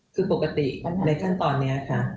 คือปกติในขั้นตอนนี้ค่ะ